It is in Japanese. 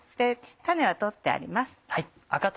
種は取ってあります。